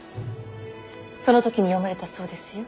その時に詠まれたそうですよ。